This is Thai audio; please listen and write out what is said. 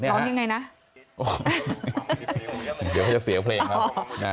ร้องยังไงนะเดี๋ยวเขาจะเสียเพลงเขานะ